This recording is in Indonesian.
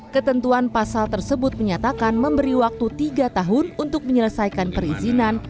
ketentuan pasal tersebut menyatakan memberi waktu tiga tahun untuk menyelesaikan perizinan